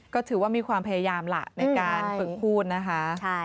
ก็ถือว่ามีความพยายามล่ะในการฝึกพูดนะคะ